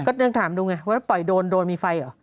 ก็ต้องถามดูไงว่าถ้าปล่อยโดนโดนมีไฟเหรอ